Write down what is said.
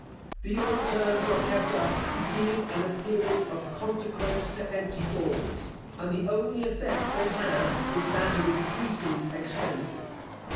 The old terms are kept up, to give an appearance of consequence to empty forms; and the only effect they have is that of increasing expenses.